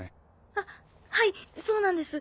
あっはいそうなんです。